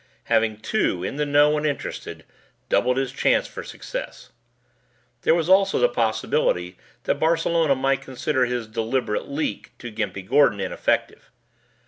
Having two in the know and interested doubled his chance for success. There was also the possibility that Barcelona might consider his deliberate "Leak" to Gimpy Gordon ineffective.